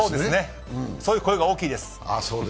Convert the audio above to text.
そういう声が大きいです。